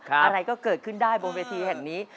อะไรก็เกิดขึ้นได้บนเวทีแห่งนี้